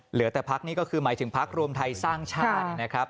เหลือแต่พักนี้ก็คือหมายถึงพักรวมไทยสร้างชาตินะครับ